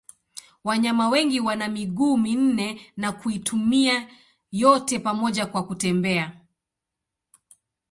Wanyama wengi wana miguu minne na kuitumia yote pamoja kwa kutembea.